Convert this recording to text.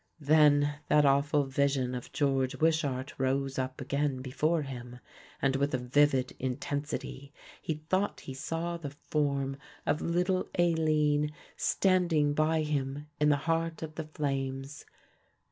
Then that awful vision of George Wishart rose up again before him and with a vivid intensity he thought he saw the form of little Aline standing by him in the heart of the flames.